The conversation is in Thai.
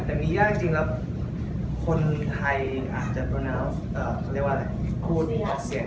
แต่มียากจริงแล้วคนไทยอาจจะพูดออกเสียง